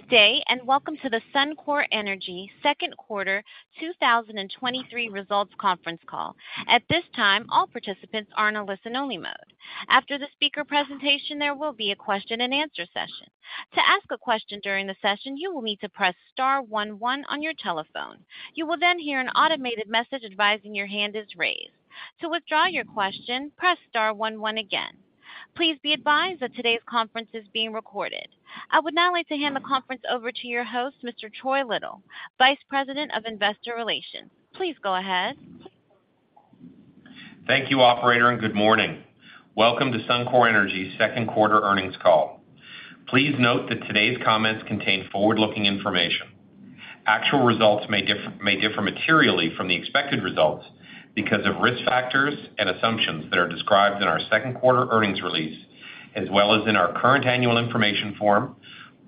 Good day, and welcome to the Suncor Energy second quarter 2023 results conference call. At this time, all participants are in a listen-only mode. After the speaker presentation, there will be a question-and-answer session. To ask a question during the session, you will need to press star one one on your telephone. You will then hear an automated message advising your hand is raised. To withdraw your question, press star one one again. Please be advised that today's conference is being recorded. I would now like to hand the conference over to your host, Mr. Troy Little, Vice President of Investor Relations. Please go ahead. Thank you, operator, and good morning. Welcome to Suncor Energy's second quarter earnings call. Please note that today's comments contain forward-looking information. Actual results may differ materially from the expected results because of risk factors and assumptions that are described in our second quarter earnings release, as well as in our current annual information form,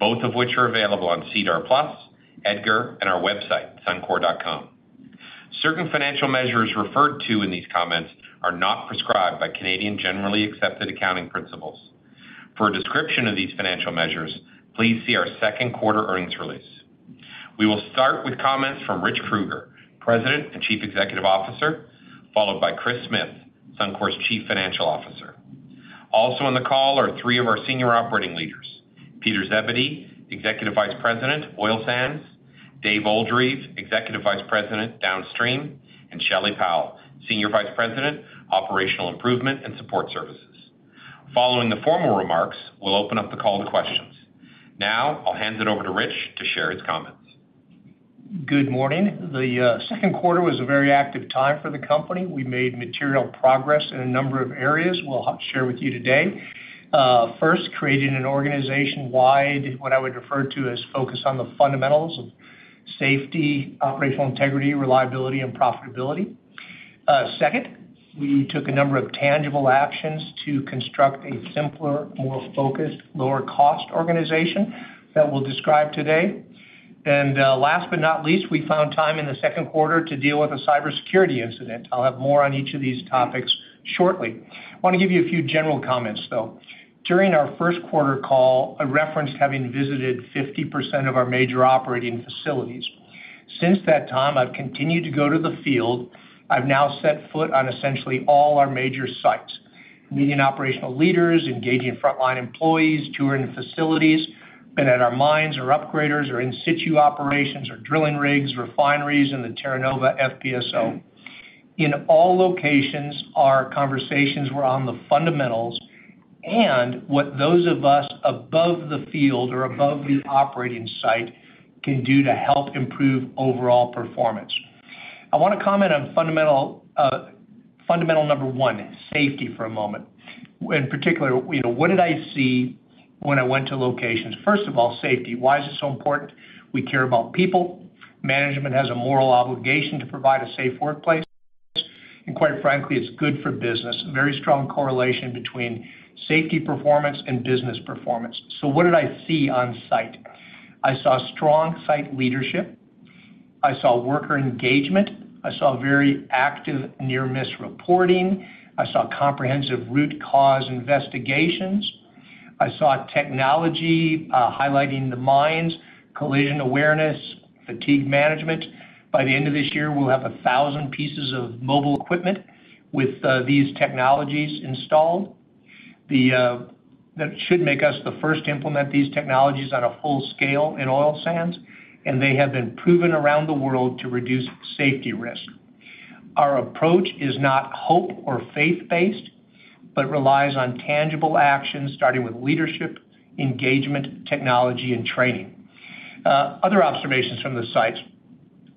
both of which are available on SEDAR+ EDGAR, and our website, Suncor.com. Certain financial measures referred to in these comments are not prescribed by Canadian generally accepted accounting principles. For a description of these financial measures, please see our second quarter earnings release. We will start with comments from Rich Kruger, President and Chief Executive Officer, followed by Kris Smith, Suncor's Chief Financial Officer. Also on the call are three of our senior operating leaders, Peter Zebedee, Executive Vice President, Oil Sands, Dave Oldreive, Executive Vice President, Downstream, and Shelley Powell, Senior Vice President, Operational Improvement and Support Services. Following the formal remarks, we'll open up the call to questions. Now, I'll hand it over to Rich to share his comments. Good morning. The second quarter was a very active time for the company. We made material progress in a number of areas we'll share with you today. First, creating an organization-wide, what I would refer to as, focus on the fundamentals of safety, operational integrity, reliability, and profitability. Second, we took a number of tangible actions to construct a simpler, more focused, lower-cost organization that we'll describe today. Last but not least, we found time in the second quarter to deal with a cybersecurity incident. I'll have more on each of these topics shortly. I wanna give you a few general comments, though. During our first quarter call, I referenced having visited 50% of our major operating facilities. Since that time, I've continued to go to the field. I've now set foot on essentially all our major sites, meeting operational leaders, engaging frontline employees, touring facilities, been at our mines or upgraders, or in situ operations, or drilling rigs, refineries, and the Terra Nova FPSO. In all locations, our conversations were on the fundamentals and what those of us above the field or above the operating site can do to help improve overall performance. I wanna comment on fundamental, fundamental number 1, safety, for a moment. In particular, you know, what did I see when I went to locations? First of all, safety. Why is it so important? We care about people. Management has a moral obligation to provide a safe workplace, and quite frankly, it's good for business. A very strong correlation between safety performance and business performance. What did I see on site? I saw strong site leadership. I saw worker engagement. I saw very active near-miss reporting. I saw comprehensive root cause investigations. I saw technology highlighting the mines, collision awareness, fatigue management. By the end of this year, we'll have 1,000 pieces of mobile equipment with these technologies installed. That should make us the first to implement these technologies at a full scale in oil sands, and they have been proven around the world to reduce safety risk. Our approach is not hope or faith-based, but relies on tangible actions, starting with leadership, engagement, technology, and training. Other observations from the sites,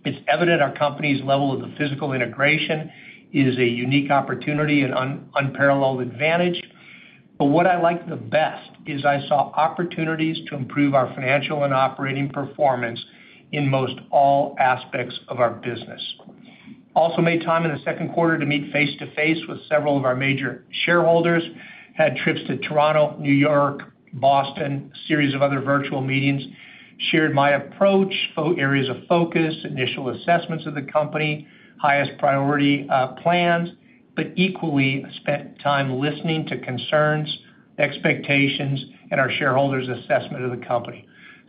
it's evident our company's level of the physical integration is a unique opportunity and unparalleled advantage. What I like the best is I saw opportunities to improve our financial and operating performance in most all aspects of our business. Also made time in the second quarter to meet face-to-face with several of our major shareholders, had trips to Toronto, New York, Boston, a series of other virtual meetings. Shared my approach, areas of focus, initial assessments of the company, highest priority, plans, but equally spent time listening to concerns, expectations, and our shareholders' assessment of the company.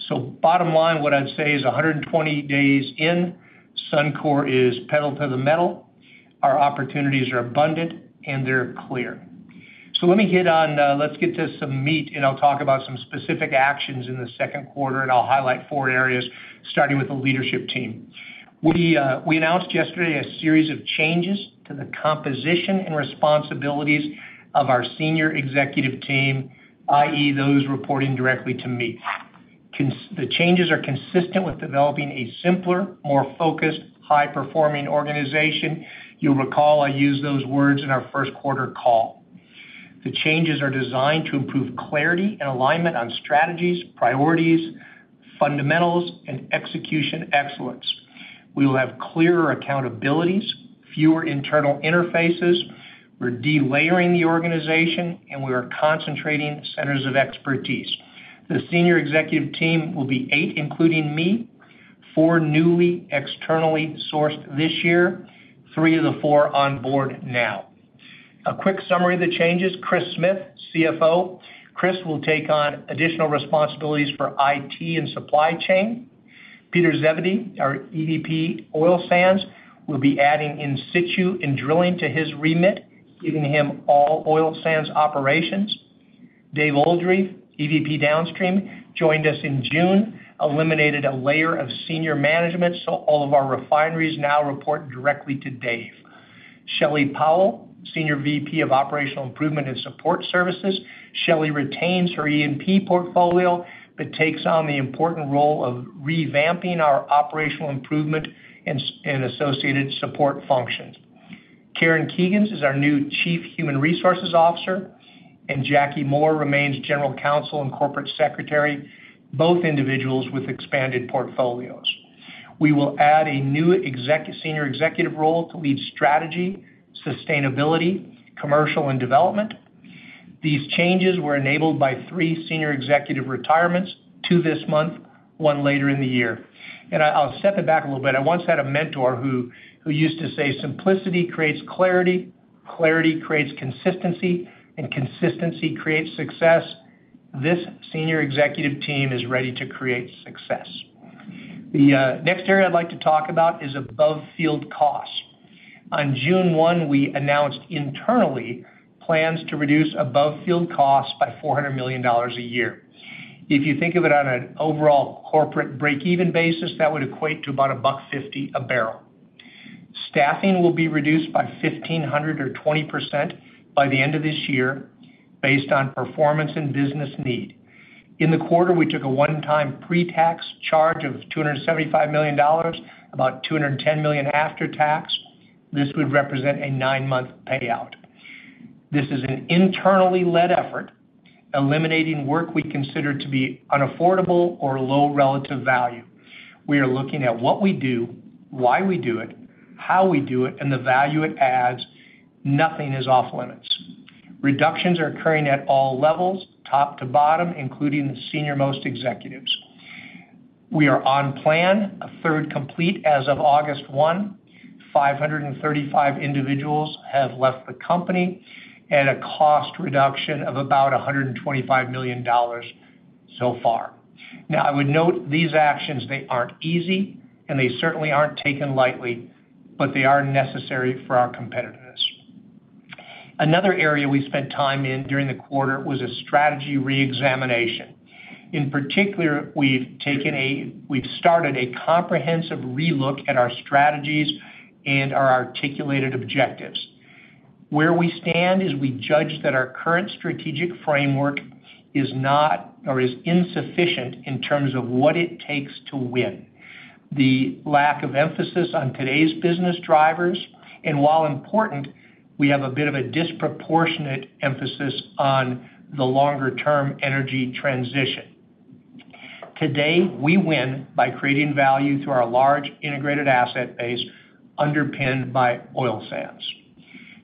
Bottom line, what I'd say is 120 days in, Suncor is pedal to the metal. Our opportunities are abundant, and they're clear. Let me hit on, let's get to some meat, and I'll talk about some specific actions in the second quarter, and I'll highlight four areas, starting with the leadership team. We, we announced yesterday a series of changes to the composition and responsibilities of our senior executive team, i.e., those reporting directly to me. The changes are consistent with developing a simpler, more focused, high-performing organization. You'll recall I used those words in our first quarter call. The changes are designed to improve clarity and alignment on strategies, priorities, fundamentals, and execution excellence. We will have clearer accountabilities, fewer internal interfaces. We're delayering the organization, and we are concentrating centers of expertise. The senior executive team will be eight, including me, four newly externally sourced this year... three of the four on board now. A quick summary of the changes, Kris Smith, CFO. Kris will take on additional responsibilities for IT and supply chain. Peter Zebedee, our EVP Oil Sands, will be adding in situ and drilling to his remit, giving him all oil sands operations. Dave Oldreive, EVP Downstream, joined us in June, eliminated a layer of senior management, so all of our refineries now report directly to Dave. Shelley Powell, Senior Vice President of Operational Improvement and Support Services. Shelley retains her E&P portfolio, but takes on the important role of revamping our operational improvement and associated support functions. Karen Keegans is our new Chief Human Resources Officer, and Jacquie Moore remains General Counsel and Corporate Secretary, both individuals with expanded portfolios. We will add a new senior executive role to lead strategy, sustainability, commercial, and development. These changes were enabled by 3 senior executive retirements, 2 this month, 1 later in the year. I, I'll step it back a little bit. I once had a mentor who, who used to say, "Simplicity creates clarity, clarity creates consistency, and consistency creates success." This senior executive team is ready to create success. The next area I'd like to talk about is above field costs. On June 1, we announced internally plans to reduce above field costs by $400 million a year. If you think of it on an overall corporate break-even basis, that would equate to about $1.50 a barrel. Staffing will be reduced by 1,500 or 20% by the end of this year, based on performance and business need. In the quarter, we took a one-time pre-tax charge of $275 million, about $210 million after tax. This would represent a nine-month payout. This is an internally led effort, eliminating work we consider to be unaffordable or low relative value. We are looking at what we do, why we do it, how we do it, and the value it adds. Nothing is off-limits. Reductions are occurring at all levels, top to bottom, including the senior-most executives. We are on plan, a third complete as of August 1, 535 individuals have left the company at a cost reduction of about 125 million dollars so far. Now, I would note, these actions, they aren't easy, and they certainly aren't taken lightly, but they are necessary for our competitiveness. Another area we spent time in during the quarter was a strategy reexamination. In particular, we've started a comprehensive relook at our strategies and our articulated objectives. Where we stand is we judge that our current strategic framework is not, or is insufficient in terms of what it takes to win. The lack of emphasis on today's business drivers, and while important, we have a bit of a disproportionate emphasis on the longer-term energy transition. Today, we win by creating value through our large integrated asset base, underpinned by oil sands.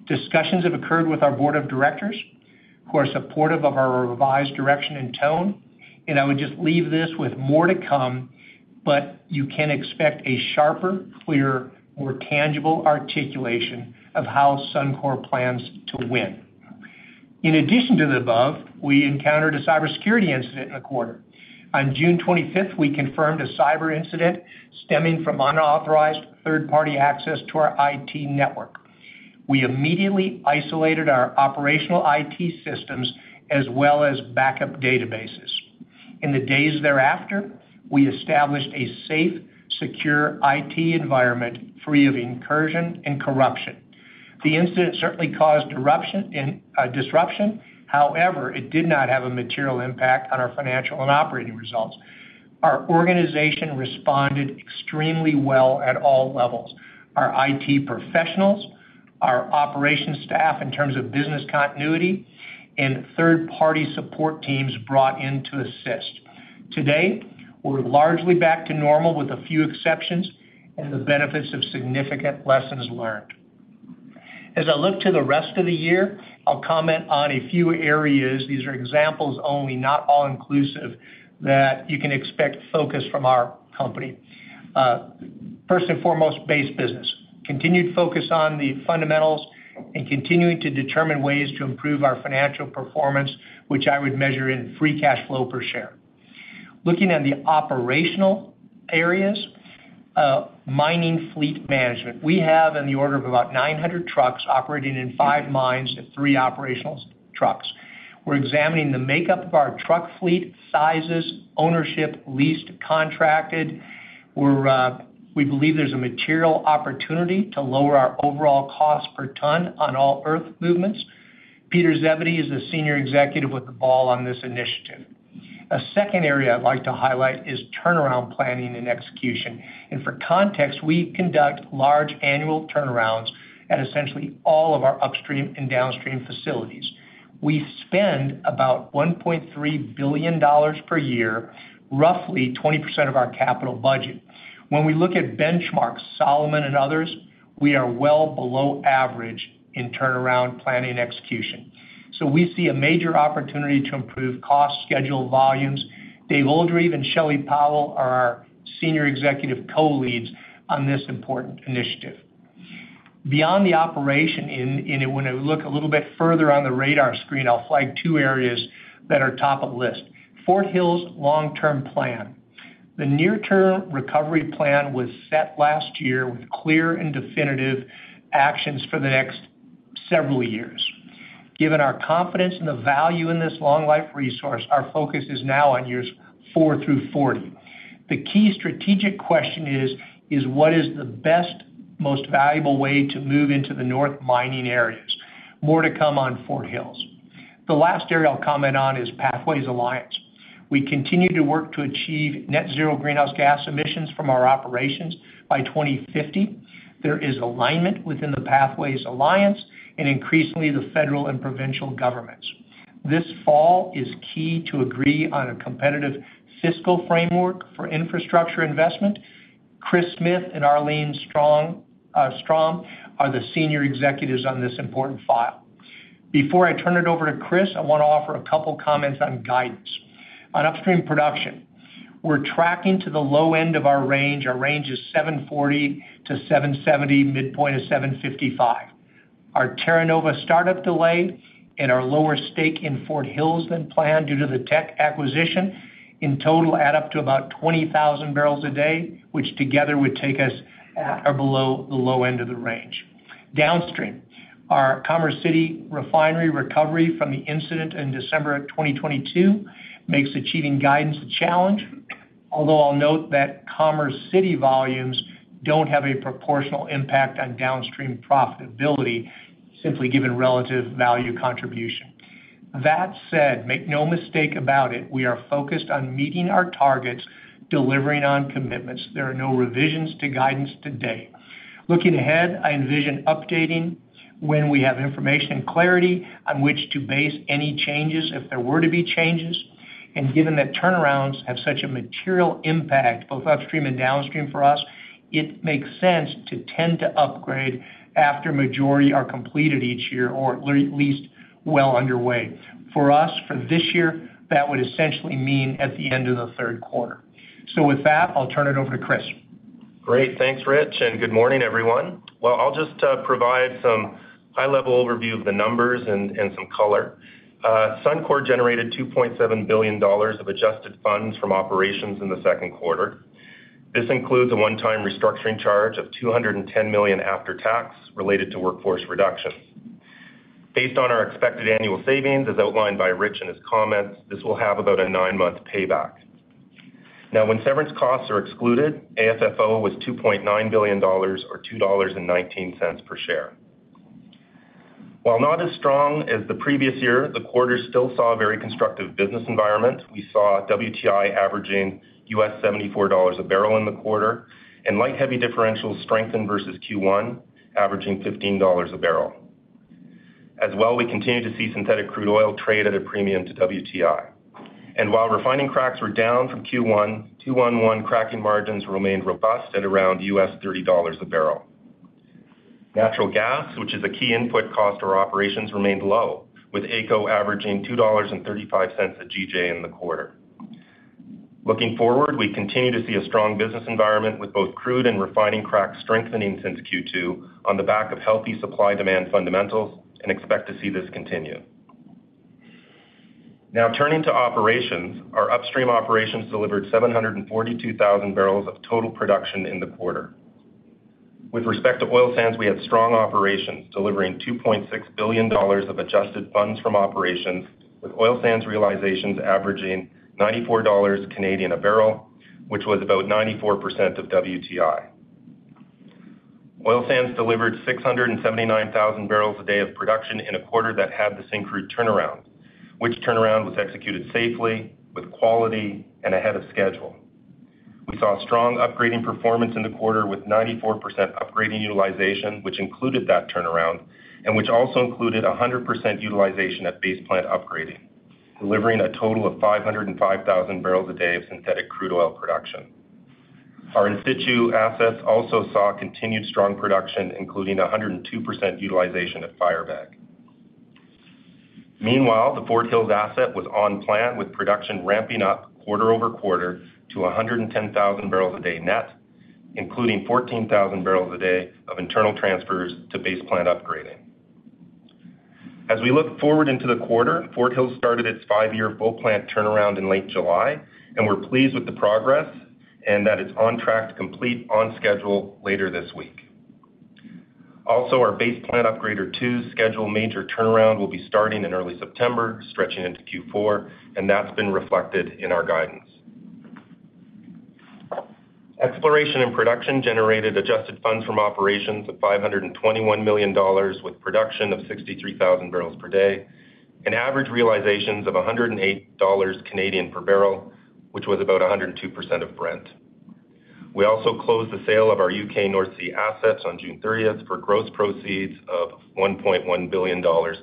Discussions have occurred with our board of directors, who are supportive of our revised direction and tone, and I would just leave this with more to come, but you can expect a sharper, clearer, more tangible articulation of how Suncor plans to win. In addition to the above, we encountered a cybersecurity incident in the quarter. On June 25th, we confirmed a cyber incident stemming from unauthorized third-party access to our IT network. We immediately isolated our operational IT systems as well as backup databases. In the days thereafter, we established a safe, secure IT environment, free of incursion and corruption. The incident certainly caused eruption in disruption. However, it did not have a material impact on our financial and operating results. Our organization responded extremely well at all levels. Our IT professionals, our operations staff, in terms of business continuity, and third-party support teams brought in to assist. Today, we're largely back to normal, with a few exceptions, and the benefits of significant lessons learned. As I look to the rest of the year, I'll comment on a few areas, these are examples only, not all inclusive, that you can expect focus from our company. First and foremost, base business. Continued focus on the fundamentals and continuing to determine ways to improve our financial performance, which I would measure in free cash flow per share. Looking at the operational areas, mining fleet management. We have in the order of about 900 trucks operating in 5 mines and 3 operational trucks. We're examining the makeup of our truck fleet, sizes, ownership, leased, contracted. We're, we believe there's a material opportunity to lower our overall cost per ton on all earth movements. Peter Zebedee is the senior executive with the ball on this initiative. A second area I'd like to highlight is turnaround planning and execution. For context, we conduct large annual turnarounds at essentially all of our upstream and downstream facilities. We spend about 1.3 billion dollars per year, roughly 20% of our capital budget. When we look at benchmarks, Solomon and others, we are well below average in turnaround planning execution. We see a major opportunity to improve cost, schedule, volumes. Dave Oldreive and Shelley Powell are our Senior Executive Co-leads on this important initiative. Beyond the operation, when I look a little bit further on the radar screen, I'll flag two areas that are top of the list. Fort Hills long-term plan. The near-term recovery plan was set last year with clear and definitive actions for the next several years. Given our confidence in the value in this long-life resource, our focus is now on years 4 through 40. The key strategic question is, what is the best, most valuable way to move into the north mining areas? More to come on Fort Hills. The last area I'll comment on is Pathways Alliance. We continue to work to achieve Net Zero greenhouse gas emissions from our operations by 2050. There is alignment within the Pathways Alliance and increasingly, the federal and provincial governments. This fall is key to agree on a competitive fiscal framework for infrastructure investment. Kris Smith and Arlene Strom are the senior executives on this important file. Before I turn it over to Kris, I wanna offer a couple comments on guidance. On upstream production, we're tracking to the low end of our range. Our range is 740-770, midpoint of 755. Our Terra Nova startup delay and our lower stake in Fort Hills than planned due to the Teck acquisition, in total, add up to about 20,000 barrels a day, which together would take us at or below the low end of the range. Downstream, our Commerce City refinery recovery from the incident in December 2022 makes achieving guidance a challenge, although I'll note that Commerce City volumes don't have a proportional impact on downstream profitability, simply given relative value contribution. That said, make no mistake about it, we are focused on meeting our targets, delivering on commitments. There are no revisions to guidance today. Looking ahead, I envision updating when we have information and clarity on which to base any changes if there were to be changes. Given that turnarounds have such a material impact, both upstream and downstream for us, it makes sense to tend to upgrade after majority are completed each year or at least well underway. For us, for this year, that would essentially mean at the end of the third quarter. With that, I'll turn it over to Kris. Great. Thanks, Rich, and good morning, everyone. Well, I'll just provide some high-level overview of the numbers and some color. Suncor generated 2.7 billion dollars of Adjusted Funds From Operations in the second quarter. This includes a one-time restructuring charge of 210 million after tax, related to workforce reductions. Based on our expected annual savings, as outlined by Rich in his comments, this will have about a 9-month payback. Now, when severance costs are excluded, AFFO was 2.9 billion dollars or 2.19 dollars per share. While not as strong as the previous year, the quarter still saw a very constructive business environment. We saw WTI averaging US $74 a barrel in the quarter, and Light/Heavy differentials strengthened versus Q1, averaging 15 dollars a barrel. As well, we continued to see Synthetic Crude Oil trade at a premium to WTI. While refining cracks were down from Q1, 2-1-1 Crack Spread remained robust at around $30 a barrel. Natural gas, which is a key input cost to our operations, remained low, with AECO averaging 2.35 dollars a GJ in the quarter. Looking forward, we continue to see a strong business environment, with both crude and refining cracks strengthening since Q2 on the back of healthy supply-demand fundamentals and expect to see this continue. Now, turning to operations, our upstream operations delivered 742,000 barrels of total production in the quarter. With respect to oil sands, we had strong operations, delivering 2.6 billion dollars of adjusted funds from operations, with oil sands realizations averaging 94 Canadian dollars a barrel, which was about 94% of WTI. Oil sands delivered 679,000 barrels a day of production in a quarter that had the Syncrude turnaround, which turnaround was executed safely, with quality, and ahead of schedule. We saw strong upgrading performance in the quarter, with 94% upgrading utilization, which included that turnaround, and which also included 100% utilization at Base Plant upgrading, delivering a total of 505,000 barrels a day of synthetic crude oil production. Our in-situ assets also saw continued strong production, including 102% utilization at Firebag. Meanwhile, the Fort Hills asset was on plan, with production ramping up quarter-over-quarter to 110,000 barrels a day net, including 14,000 barrels a day of internal transfers to Base Plant upgrading. As we look forward into the quarter, Fort Hills started its five-year full plant turnaround in late July, and we're pleased with the progress and that it's on track to complete on schedule later this week. Our Base Plant Upgrader 2 schedule major turnaround will be starting in early September, stretching into Q4, and that's been reflected in our guidance. Exploration and production generated adjusted funds from operations of 521 million dollars, with production of 63,000 barrels per day and average realizations of 108 Canadian dollars per barrel, which was about 102% of Brent. We also closed the sale of our UK North Sea assets on June 30th for gross proceeds of 1.1 billion Canadian dollars.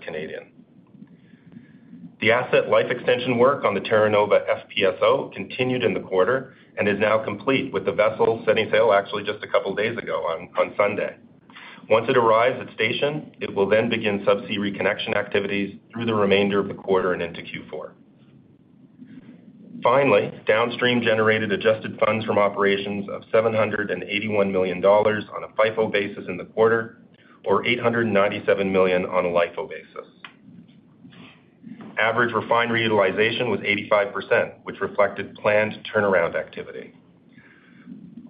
The Asset Life Extension work on the Terra Nova FPSO continued in the quarter and is now complete, with the vessel setting sail actually just a couple days ago, on Sunday. Once it arrives at station, it will then begin subsea reconnection activities through the remainder of the quarter and into Q4. Finally, downstream generated adjusted funds from operations of 781 million dollars on a FIFO basis in the quarter, or 897 million on a LIFO basis. Average refinery utilization was 85%, which reflected planned turnaround activity.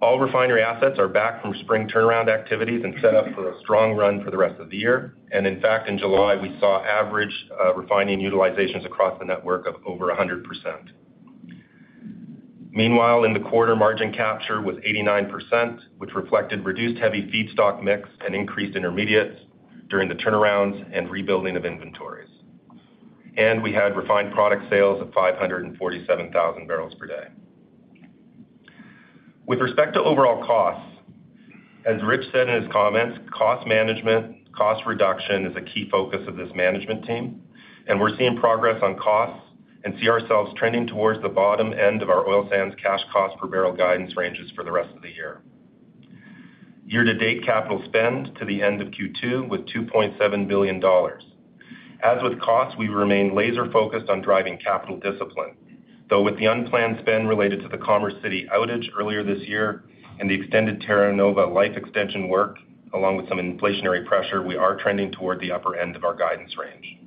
All refinery assets are back from spring turnaround activities and set up for a strong run for the rest of the year. In fact, in July, we saw average refining utilizations across the network of over 100%. Meanwhile, in the quarter, margin capture was 89%, which reflected reduced heavy feedstock mix and increased intermediates during the turnarounds and rebuilding of inventories. We had refined product sales of 547,000 barrels per day. With respect to overall costs, as Rich said in his comments, cost management, cost reduction is a key focus of this management team, and we're seeing progress on costs and see ourselves trending towards the bottom end of our oil sands cash cost per barrel guidance ranges for the rest of the year. Year-to-date capital spend to the end of Q2, with 2.7 billion dollars. As with costs, we remain laser-focused on driving capital discipline, though with the unplanned spend related to the Commerce City outage earlier this year and the extended Terra Nova life extension work, along with some inflationary pressure, we are trending toward the upper end of our guidance range.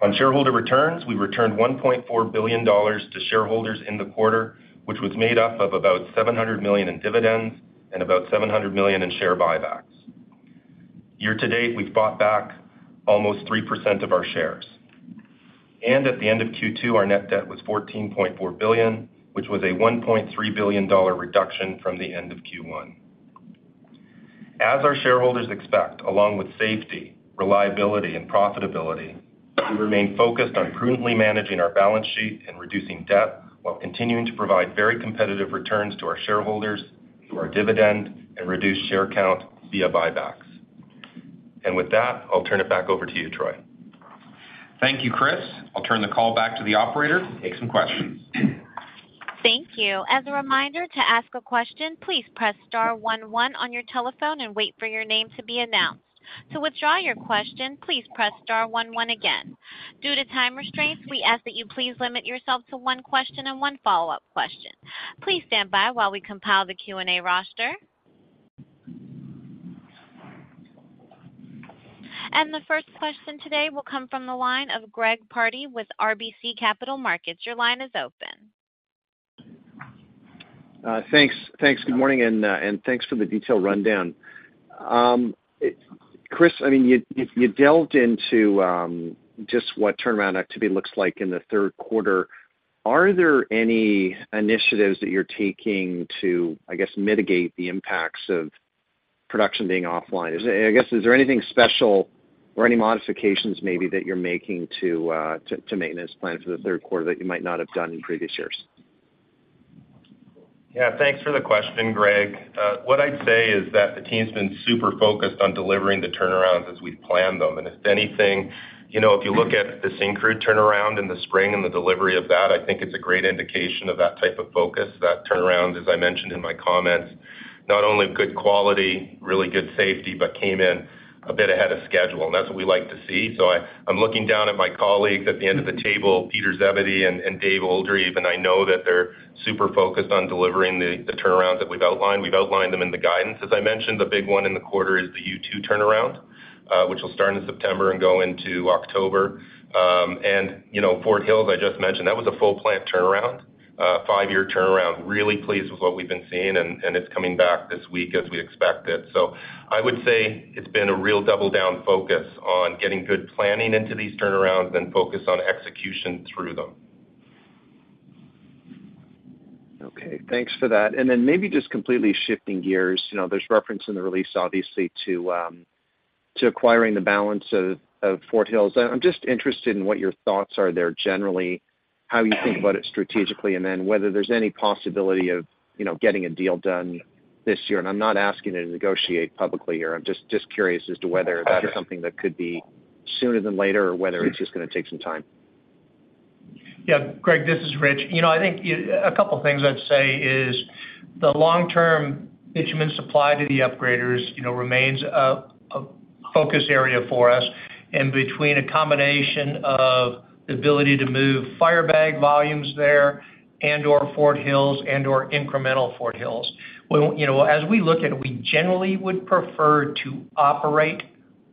On shareholder returns, we returned 1.4 billion dollars to shareholders in the quarter, which was made up of about 700 million in dividends and about 700 million in share buybacks. Year to date, we've bought back almost 3% of our shares. At the end of Q2, our net debt was CAD 14.4 billion, which was a CAD 1.3 billion reduction from the end of Q1. As our shareholders expect, along with safety, reliability, and profitability, we remain focused on prudently managing our balance sheet and reducing debt while continuing to provide very competitive returns to our shareholders through our dividend and reduced share count via buybacks. With that, I'll turn it back over to you, Troy. Thank you, Kris. I'll turn the call back to the operator to take some questions. Thank you. As a reminder, to ask a question, please press star one one on your telephone and wait for your name to be announced. To withdraw your question, please press star one one again. Due to time restraints, we ask that you please limit yourself to one question and one follow-up question. Please stand by while we compile the Q&A roster. The first question today will come from the line of Greg Pardy with RBC Capital Markets. Your line is open. Thanks. Thanks. Good morning, and thanks for the detailed rundown. Chris, I mean, you, you delved into just what turnaround activity looks like in the third quarter. Are there any initiatives that you're taking to, I guess, mitigate the impacts of production being offline? I guess, is there anything special or any modifications maybe that you're making to maintenance plan for the third quarter that you might not have done in previous years? Yeah, thanks for the question, Greg. What I'd say is that the team's been super focused on delivering the turnarounds as we've planned them. If anything, you know, if you look at the Syncrude turnaround in the spring and the delivery of that, I think it's a great indication of that type of focus. That turnaround, as I mentioned in my comments, not only good quality, really good safety, but came in a bit ahead of schedule, and that's what we like to see. I, I'm looking down at my colleagues at the end of the table, Peter Zebedee and Dave Oldreive, and I know that they're super focused on delivering the turnarounds that we've outlined. We've outlined them in the guidance. As I mentioned, the big one in the quarter is the U2 turnaround, which will start in September and go into October. You know, Fort Hills, I just mentioned, that was a full plant turnaround, 5-year turnaround. Really pleased with what we've been seeing, and it's coming back this week as we expected. I would say it's been a real double-down focus on getting good planning into these turnarounds and focus on execution through them. Okay, thanks for that. Then maybe just completely shifting gears, you know, there's reference in the release, obviously, to, to acquiring the balance of, of Fort Hills. I'm just interested in what your thoughts are there, generally, how you think about it strategically, and then whether there's any possibility of, you know, getting a deal done this year. I'm not asking you to negotiate publicly here. I'm just curious as to whether that's something that could be sooner than later or whether it's just gonna take some time. Yeah, Greg, this is Rich. You know, I think a couple things I'd say is, the long-term bitumen supply to the upgraders, you know, remains a focus area for us. Between a combination of the ability to move Firebag volumes there and/or Fort Hills and/or incremental Fort Hills, well, you know, as we look at it, we generally would prefer to operate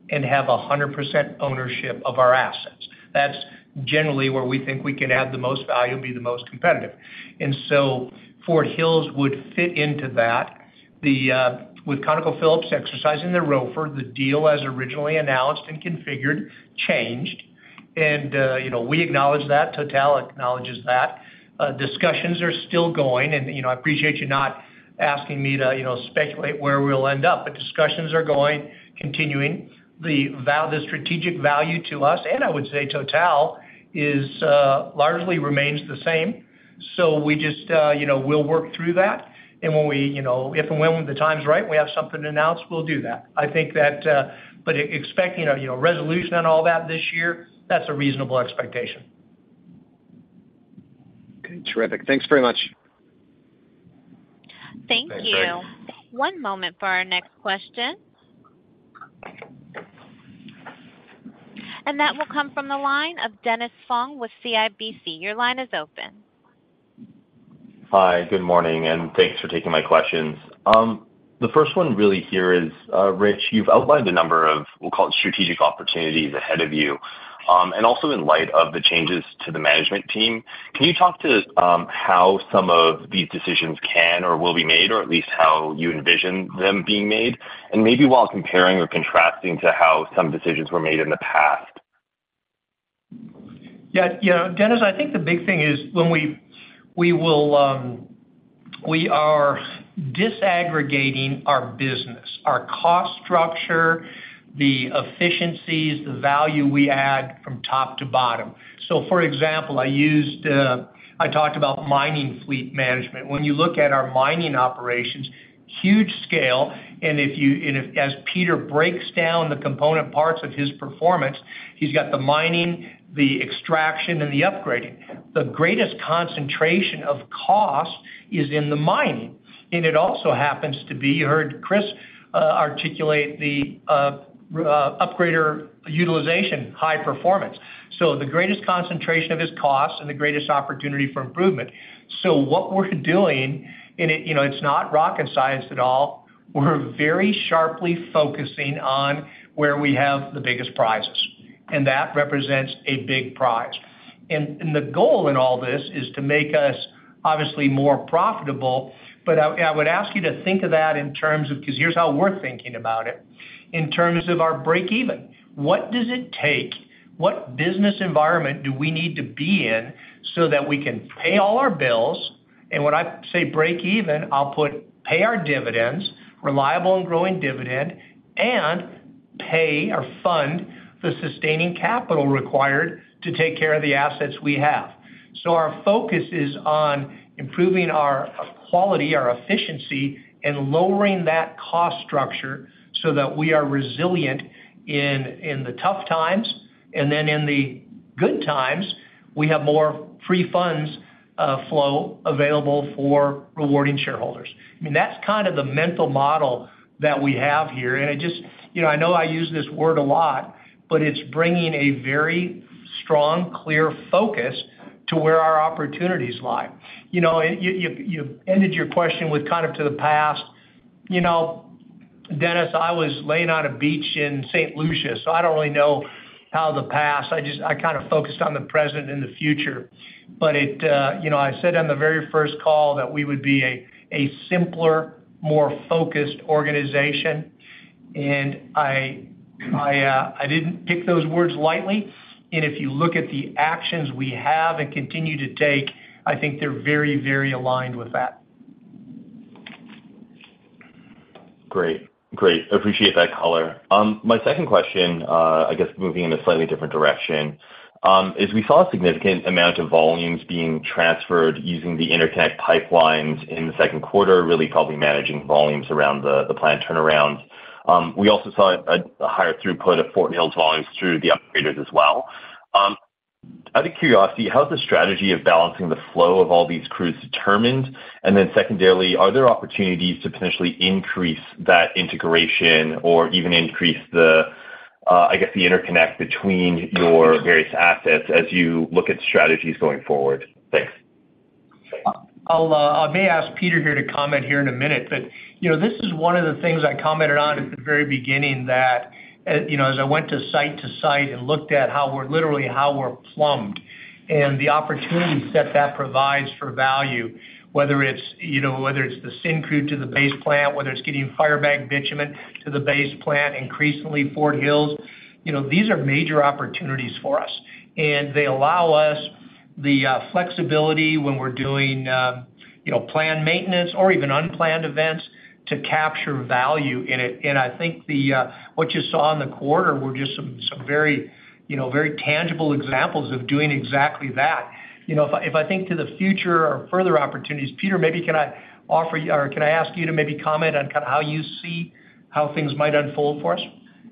and have 100% ownership of our assets. That's generally where we think we can add the most value and be the most competitive. So Fort Hills would fit into that. The with ConocoPhillips exercising their ROFO, the deal, as originally announced and configured, changed. You know, we acknowledge that. Total acknowledges that. Discussions are still going, you know, I appreciate you not asking me to, you know, speculate where we'll end up, but discussions are going, continuing. The strategic value to us, and I would say Total, is largely remains the same. We just, you know, we'll work through that. When we, you know, if and when the time is right and we have something to announce, we'll do that. I think that, but expecting a, you know, resolution on all that this year, that's a reasonable expectation. Terrific. Thanks very much. Thank you. One moment for our next question. That will come from the line of Dennis Fong with CIBC. Your line is open. Hi, good morning, and thanks for taking my questions. The first one really here is, Rich, you've outlined a number of, we'll call it strategic opportunities ahead of you. Also in light of the changes to the management team, can you talk to us, how some of these decisions can or will be made, or at least how you envision them being made? Maybe while comparing or contrasting to how some decisions were made in the past. Yeah, you know, Dennis, I think the big thing is when we, we will, we are disaggregating our business, our cost structure, the efficiencies, the value we add from top to bottom. For example, I used, I talked about mining fleet management. When you look at our mining operations, huge scale, and if you, as Peter breaks down the component parts of his performance, he's got the mining, the extraction, and the upgrading. The greatest concentration of cost is in the mining, and it also happens to be, you heard Kris articulate the upgrader utilization, high performance. The greatest concentration of his costs and the greatest opportunity for improvement. What we're doing, and it, you know, it's not rocket science at all, we're very sharply focusing on where we have the biggest prizes, and that represents a big prize. The goal in all this is to make us, obviously, more profitable. I, I would ask you to think of that in terms of. Because here's how we're thinking about it, in terms of our break even. What does it take? What business environment do we need to be in so that we can pay all our bills? When I say break even, I'll put, pay our dividends, reliable and growing dividend, and pay or fund the sustaining capital required to take care of the assets we have. Our focus is on improving our quality, our efficiency, and lowering that cost structure so that we are resilient in the tough times, and then in the good times, we have more free funds flow available for rewarding shareholders. I mean, that's kind of the mental model that we have here, and it just, you know, I know I use this word a lot, but it's bringing a very strong, clear focus to where our opportunities lie. You know, you, you, you ended your question with kind of to the past. You know, Dennis, I was laying on a beach in St. Lucia, so I don't really know how the past, I just, I kind of focused on the present and the future. It, you know, I said on the very first call that we would be a, a simpler, more focused organization, and I, I, I didn't pick those words lightly. If you look at the actions we have and continue to take, I think they're very, very aligned with that. Great. Great. Appreciate that color. My second question, I guess, moving in a slightly different direction, is we saw a significant amount of volumes being transferred using the interconnect pipelines in the 2nd quarter, really probably managing volumes around the plant turnaround. We also saw a higher throughput of Fort Hills volumes through the upgraders as well. Out of curiosity, how is the strategy of balancing the flow of all these crews determined? Secondarily, are there opportunities to potentially increase that integration or even increase the, I guess, the interconnect between your various assets as you look at strategies going forward? Thanks. I'll, I may ask Peter here to comment here in a minute, but, you know, this is one of the things I commented on at the very beginning, that, you know, as I went to site to site and looked at literally, how we're plumbed and the opportunities that that provides for value, whether it's, you know, whether it's the Syncrude to the Base Plant, whether it's getting Firebag bitumen to the Base Plant, increasingly Fort Hills, you know, these are major opportunities for us. They allow us the flexibility when we're doing, you know, planned maintenance or even unplanned events to capture value in it. I think the what you saw in the quarter were just some, some very, you know, very tangible examples of doing exactly that. You know, if I, if I think to the future or further opportunities, Peter, maybe can I offer you, or can I ask you to maybe comment on kind of how you see how things might unfold for us?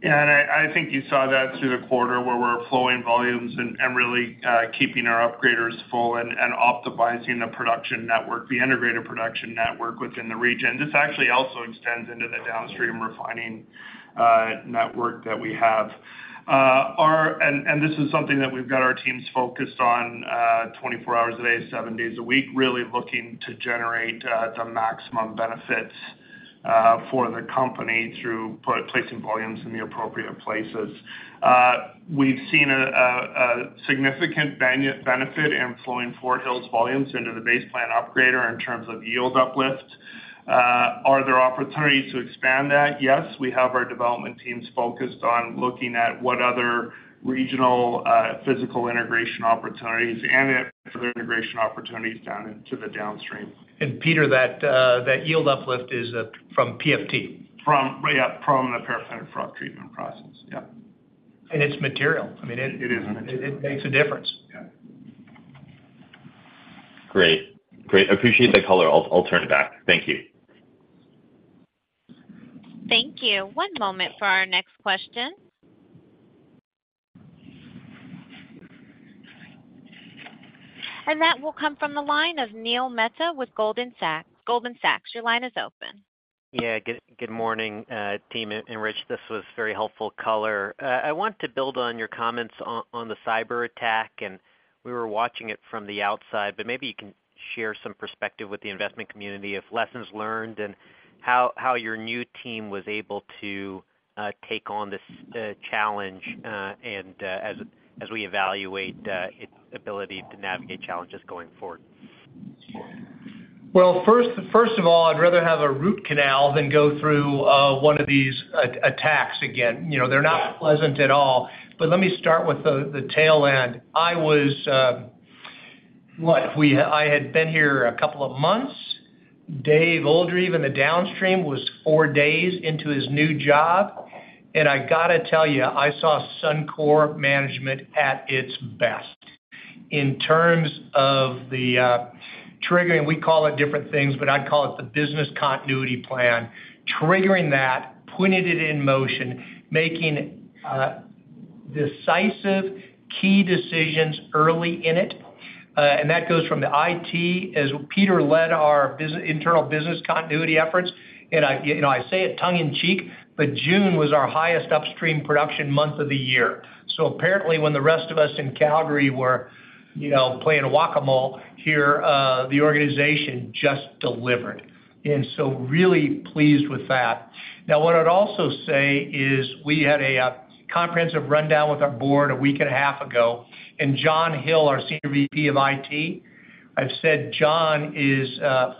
Yeah, I think you saw that through the quarter, where we're flowing volumes and really keeping our upgraders full and optimizing the production network, the integrated production network within the region. This actually also extends into the downstream refining network that we have. This is something that we've got our teams focused on 24 hours a day, 7 days a week, really looking to generate the maximum benefits for the company through placing volumes in the appropriate places. We've seen a significant benefit in flowing Fort Hills volumes into the Base Plant upgrader in terms of yield uplift. Are there opportunities to expand that? Yes, we have our development teams focused on looking at what other regional physical integration opportunities and for integration opportunities down into the downstream. Peter, that, that yield uplift is from PFT. From, yeah, from the Paraffinic Froth Treatment process. Yep. it's material. I mean- It is. It, it makes a difference. Yeah. Great. Great. Appreciate the color. I'll, I'll turn it back. Thank you. Thank you. One moment for our next question. That will come from the line of Neil Mehta with Goldman Sachs. Goldman Sachs, your line is open. Yeah, good, good morning, team. Rich, this was very helpful color. I want to build on your comments on, on the cyberattack, and we were watching it from the outside, but maybe you can share some perspective with the investment community of lessons learned and how, how your new team was able to take on this challenge, and as, as we evaluate its ability to navigate challenges going forward. Well, first, first of all, I'd rather have a root canal than go through one of these attacks again. You know, they're not pleasant at all. Let me start with the, the tail end. I was, what? I had been here a couple of months. Dave Oldreive, in the downstream, was 4 days into his new job, and I got to tell you, I saw Suncor management at its best. In terms of the, triggering, we call it different things, but I'd call it the business continuity plan, triggering that, putting it in motion, making decisive key decisions early in it, and that goes from the IT, as Peter led our internal business continuity efforts. I, you know, I say it tongue in cheek, but June was our highest upstream production month of the year. Apparently, when the rest of us in Calgary were, you know, playing whack-a-mole here, the organization just delivered. Really pleased with that. What I'd also say is, we had a comprehensive rundown with our board a week and a half ago. John Hill, our Senior VP of IT, I've said John is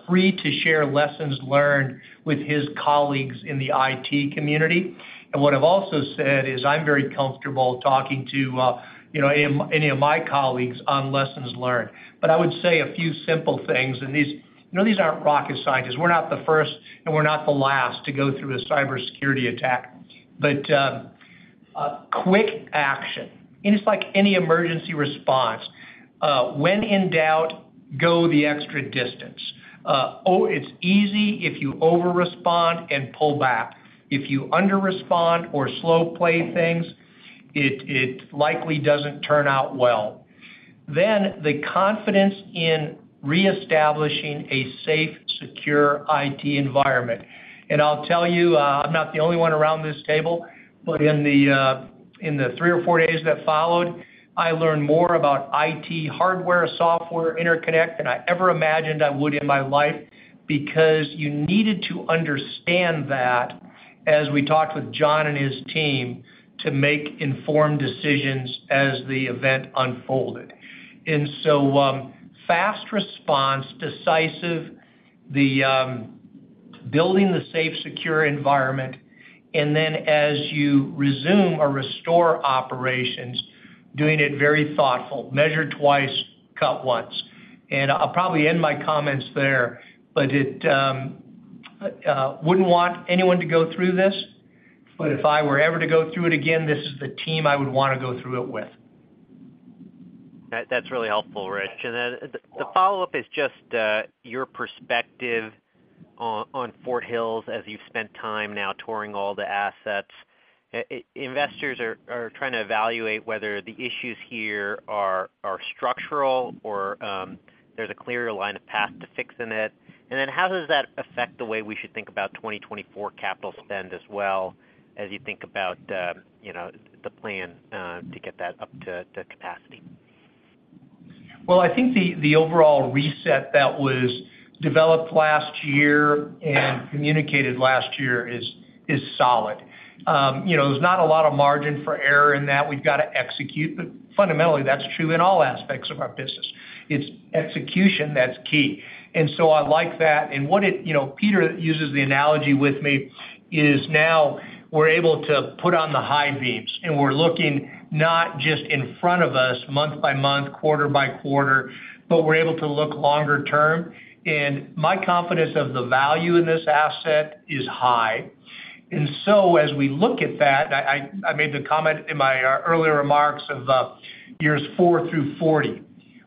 free to share lessons learned with his colleagues in the IT community. What I've also said is, I'm very comfortable talking to, you know, any, any of my colleagues on lessons learned. I would say a few simple things. These, you know, these aren't rocket scientists. We're not the first. We're not the last to go through a cybersecurity attack. Quick action. It's like any emergency response. When in doubt, go the extra distance. Oh, it's easy if you overrespond and pull back. If you underrespond or slow play things, it, it likely doesn't turn out well. The confidence in reestablishing a safe, secure IT environment. I'll tell you, I'm not the only one around this table, but in the three or four days that followed, I learned more about IT hardware, software, interconnect than I ever imagined I would in my life, because you needed to understand that as we talked with John and his team, to make informed decisions as the event unfolded. Fast response, decisive, the building the safe, secure environment, and then as you resume or restore operations, doing it very thoughtful. Measure twice, cut once. I'll probably end my comments there, but it wouldn't want anyone to go through this, but if I were ever to go through it again, this is the team I would wanna go through it with. That, that's really helpful, Rich. Then the, the follow-up is just your perspective on, on Fort Hills as you've spent time now touring all the assets. Investors are, are trying to evaluate whether the issues here are, are structural or, there's a clear line of path to fixing it. Then, how does that affect the way we should think about 2024 capital spend as well, as you think about, you know, the plan to get that up to, to capacity? Well, I think the, the overall reset that was developed last year and communicated last year is, is solid. You know, there's not a lot of margin for error in that. We've got to execute, but fundamentally, that's true in all aspects of our business. It's execution that's key. So I like that, and what it... You know, Peter uses the analogy with me, is now we're able to put on the high beams, and we're looking not just in front of us, month by month, quarter by quarter, but we're able to look longer term. My confidence of the value in this asset is high. So as we look at that, I, I, I made the comment in my earlier remarks of, years 4 through 40.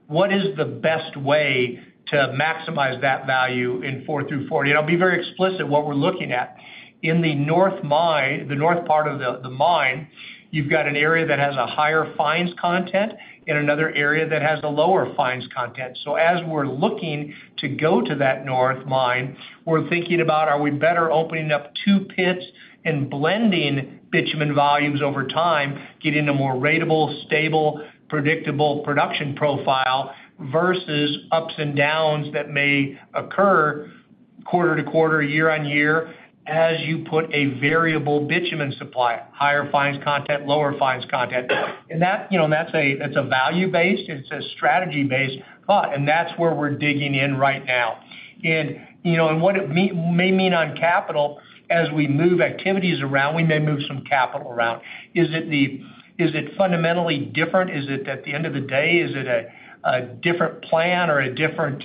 What is the best way to maximize that value in 4 through 40? I'll be very explicit what we're looking at. In the north mine, the north part of the, the mine, you've got an area that has a higher fines content and another area that has a lower fines content. As we're looking to go to that north mine, we're thinking about, are we better opening up two pits and blending bitumen volumes over time, getting a more ratable, stable, predictable production profile versus ups and downs that may occur quarter to quarter, year on year, as you put a variable bitumen supply, higher fines content, lower fines content? That, you know, that's a, it's a value-based, it's a strategy-based thought, and that's where we're digging in right now. You know, and what it may mean on capital, as we move activities around, we may move some capital around. Is it fundamentally different? Is it, at the end of the day, is it a, a different plan or a different,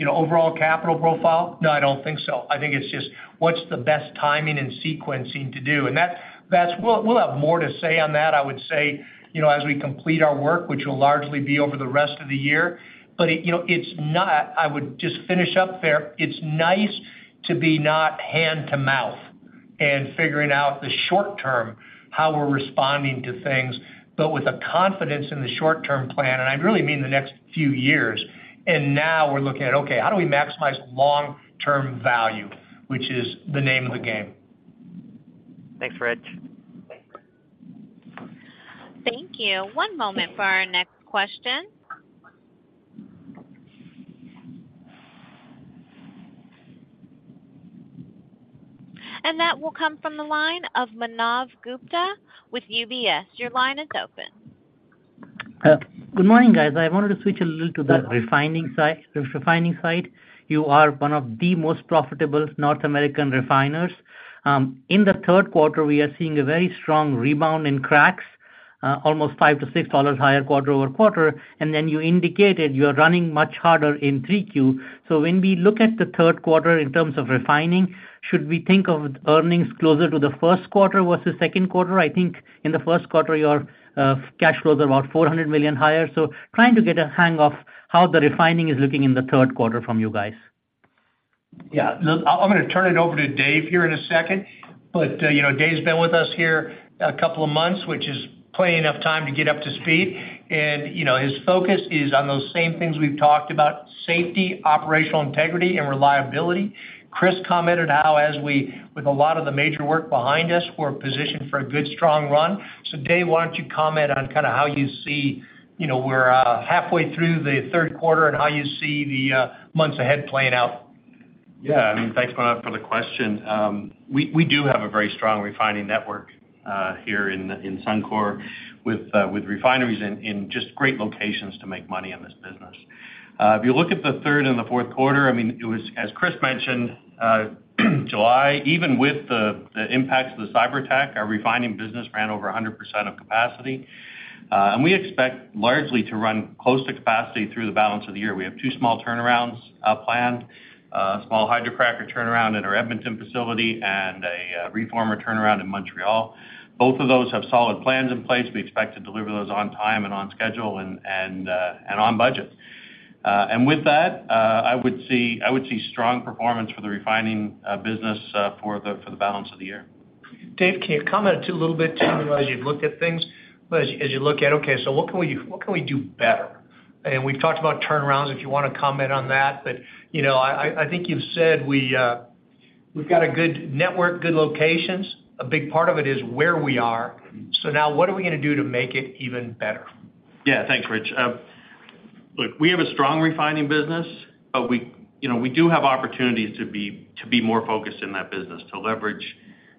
you know, overall capital profile? No, I don't think so. I think it's just what's the best timing and sequencing to do. That's, that's, we'll, we'll have more to say on that, I would say, you know, as we complete our work, which will largely be over the rest of the year. It, you know, it's not... I would just finish up there. It's nice to be not hand to mouth.... and figuring out the short term, how we're responding to things, but with a confidence in the short-term plan, and I really mean the next few years. Now we're looking at, okay, how do we maximize long-term value, which is the name of the game. Thanks, Rich. Thank you. One moment for our next question. That will come from the line of Manav Gupta with UBS. Your line is open. Good morning, guys. I wanted to switch a little to the refining side, the refining side. You are one of the most profitable North American refiners. In the third quarter, we are seeing a very strong rebound in cracks, almost $5-$6 higher quarter-over-quarter, then you indicated you are running much harder in 3Q. When we look at the third quarter in terms of refining, should we think of earnings closer to the first quarter versus second quarter? I think in the first quarter, your cash flow is about 400 million higher, trying to get a hang of how the refining is looking in the third quarter from you guys. Yeah. Look, I'm gonna turn it over to Dave here in a second, but, you know, Dave's been with us here a couple of months, which is plenty enough time to get up to speed. You know, his focus is on those same things we've talked about: safety, operational integrity, and reliability. Kris commented how as we, with a lot of the major work behind us, we're positioned for a good, strong run. Dave, why don't you comment on kind of how you see, you know, we're halfway through the third quarter and how you see the months ahead playing out? Yeah, I mean, thanks, Manav, for the question. We, we do have a very strong refining network here in Suncor with refineries in just great locations to make money on this business. If you look at the third and the fourth quarter, I mean, it was, as Kris mentioned, July, even with the impacts of the cyberattack, our refining business ran over 100% of capacity. We expect largely to run close to capacity through the balance of the year. We have 2 small turnarounds planned, a small hydrocracker turnaround at our Edmonton facility and a reformer turnaround in Montreal. Both of those have solid plans in place. We expect to deliver those on time and on schedule and, and on budget. With that, I would see, I would see strong performance for the refining business for the, for the balance of the year. Dave, can you comment a little bit, too, as you've looked at things, but as, as you look at, okay, so what can we, what can we do better? We've talked about turnarounds, if you want to comment on that. You know, I, I, I think you've said we've got a good network, good locations. A big part of it is where we are. Now what are we gonna do to make it even better? Yeah. Thanks, Rich. Look, we have a strong refining business, but we, you know, we do have opportunities to be, to be more focused in that business, to leverage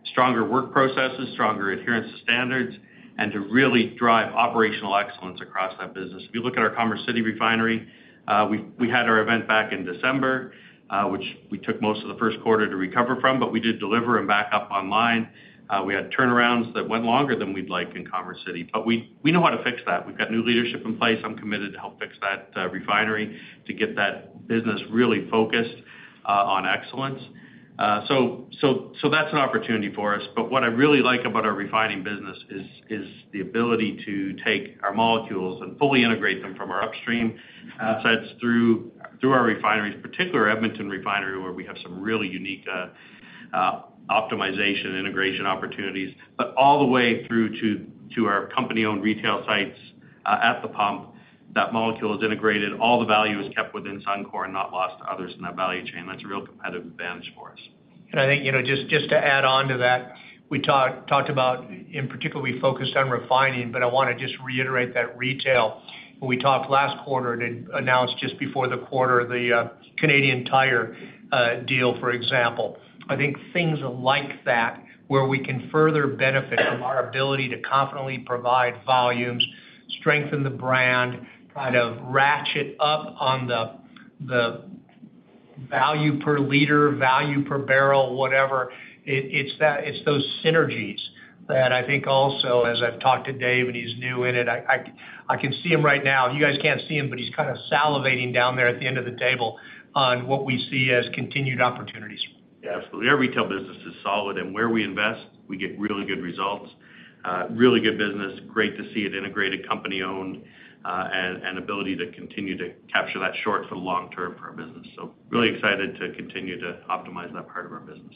stronger work processes, stronger adherence to standards, and to really drive operational excellence across that business. If you look at our Commerce City refinery, we, we had our event back in December, which we took most of the first quarter to recover from, but we did deliver and back up online. We had turnarounds that went longer than we'd like in Commerce City, but we, we know how to fix that. We've got new leadership in place. I'm committed to help fix that refinery to get that business really focused on excellence. So, so, so that's an opportunity for us. What I really like about our refining business is the ability to take our molecules and fully integrate them from our upstream assets through our refineries, particular Edmonton Refinery, where we have some really unique optimization, integration opportunities. All the way through to our company-owned retail sites, at the pump, that molecule is integrated. All the value is kept within Suncor and not lost to others in that value chain. That's a real competitive advantage for us. I think, you know, just, just to add on to that, we talked about in particular, we focused on refining, but I wanna just reiterate that retail, we talked last quarter and then announced just before the quarter, the Canadian Tire deal, for example. I think things like that, where we can further benefit from our ability to confidently provide volumes, strengthen the brand, kind of ratchet up on the, the value per liter, value per barrel, whatever, it's that. It's those synergies that I think also, as I've talked to Dave, and he's new in it, I can see him right now. You guys can't see him, but he's kind of salivating down there at the end of the table on what we see as continued opportunities. Yeah, absolutely. Our retail business is solid, where we invest, we get really good results. Really good business. Great to see it integrated, company-owned, and, and ability to continue to capture that short for the long term for our business. Really excited to continue to optimize that part of our business.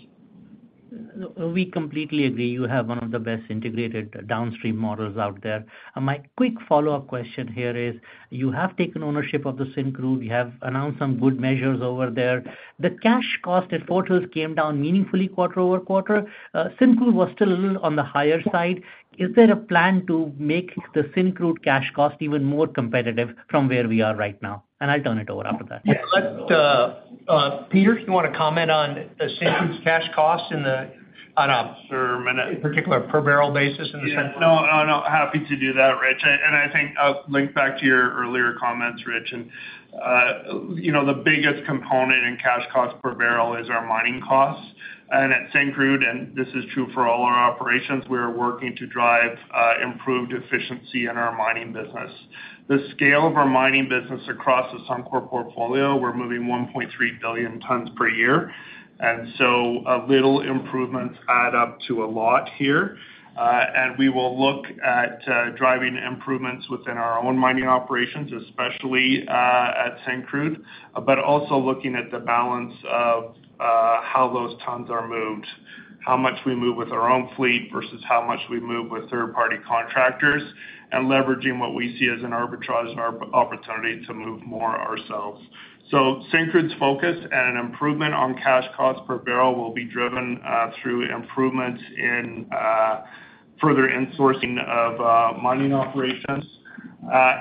We completely agree. You have one of the best integrated downstream models out there. My quick follow-up question here is, you have taken ownership of the Syncrude. You have announced some good measures over there. The cash cost at Fort Hills came down meaningfully quarter-over-quarter. Syncrude was still a little on the higher side. Is there a plan to make the Syncrude cash cost even more competitive from where we are right now? I'll turn it over after that. Let's, Peter Zebedee, do you want to comment on Syncrude's cash costs in the on a particular per barrel basis in the Syncrude? Yeah. No, no, no. Happy to do that, Rich. I think I'll link back to your earlier comments, Rich. You know, the biggest component in cash cost per barrel is our mining costs. At Syncrude, and this is true for all our operations, we're working to drive improved efficiency in our mining business. The scale of our mining business across the Suncor portfolio, we're moving 1.3 billion tons per year, and so a little improvements add up to a lot here. We will look at driving improvements within our own mining operations, especially at Syncrude, but also looking at the balance of how those tons are moved.... how much we move with our own fleet versus how much we move with third-party contractors, and leveraging what we see as an arbitrage and our opportunity to move more ourselves. Syncrude's focus and an improvement on cash cost per barrel will be driven, through improvements in, further insourcing of, mining operations,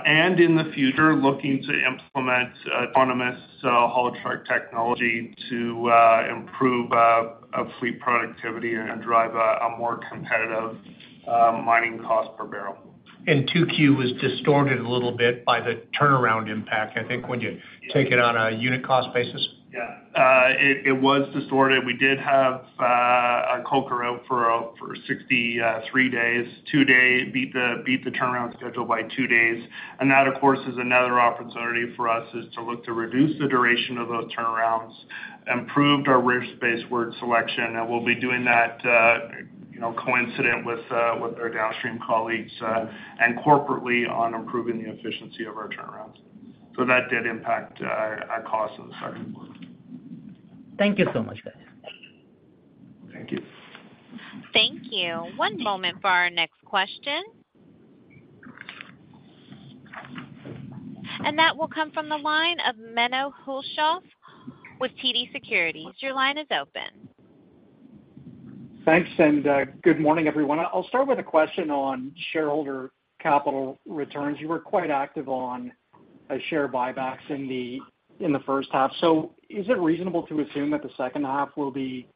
and in the future, looking to implement, autonomous, haul truck technology to, improve, a fleet productivity and drive a, a more competitive, mining cost per barrel. 2Q was distorted a little bit by the turnaround impact, I think, when you take it on a unit cost basis? Yeah. It was distorted. We did have our coker out for 63 days. Two-day-- beat the turnaround schedule by 2 days. That, of course, is another opportunity for us, is to look to reduce the duration of those turnarounds, improved our risk-based work selection, and we'll be doing that, you know, coincident with our downstream colleagues and corporately on improving the efficiency of our turnarounds. That did impact our costs in the second quarter. Thank you so much, guys. Thank you. Thank you. One moment for our next question. That will come from the line of Menno Hulshof with TD Securities. Your line is open. Thanks, good morning, everyone. I'll start with a question on shareholder capital returns. You were quite active on share buybacks in the first half. Is it reasonable to assume that the second half will be